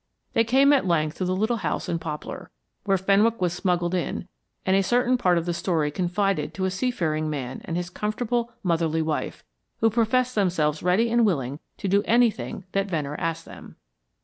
They came at length to the little house in Poplar, where Fenwick was smuggled in, and a certain part of the story confided to a seafaring man and his comfortable, motherly wife, who professed themselves ready and willing to do anything that Venner asked them.